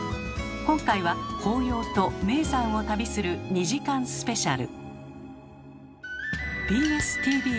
今回は紅葉と名山を旅する２時間スペシャル。